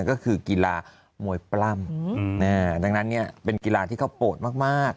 ก็คือกีฬามวยปล้ำดังนั้นเนี่ยเป็นกีฬาที่เขาโปรดมาก